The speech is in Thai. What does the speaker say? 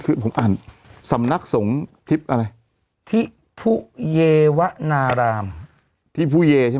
คือผมอ่านสำนักสงฆ์ทริปอะไรทิพุเยวนารามที่ผู้เยใช่ไหม